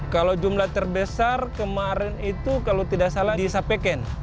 kalau jumlah terbesar kemarin itu kalau tidak salah di sapeken